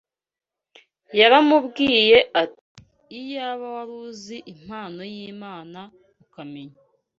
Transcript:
Yaramubwiye ati: “Iyaba wari uzi impano y’Imana, ukamenya